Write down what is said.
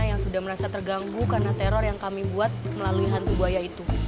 yang sudah merasa terganggu karena teror yang kami buat melalui hantu buaya itu